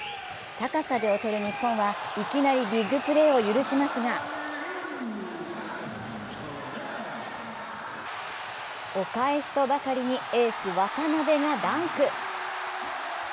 高さで劣る日本は、いきなりビッグプレーを許しますがお返しとばかりにエース・渡邊がダンク。